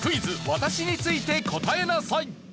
私について答えなさい」。